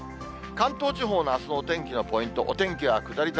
関東地方のあすのお天気のポイント、お天気は下り坂。